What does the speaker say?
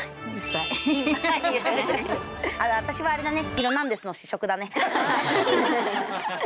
私はあれだね。